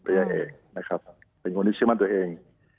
เอกนะครับเป็นคนที่เชื่อมั่นตัวเอง